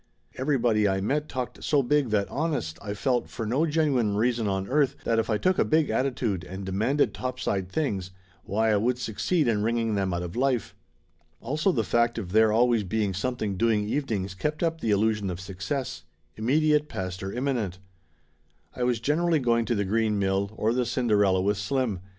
Every body I met talked so big that honest, I felt, for no genuine reason on earth, that if I took a big attitude and demanded topside things, why I would succeed in wringing them out of life. Also the fact of there always being something doing evenings kept up the illusion of success; immediate, past or imminent. I was generally going to the Green Mill or the Cinderella with Slim.